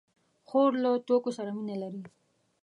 خور له ټوکو سره مینه لري.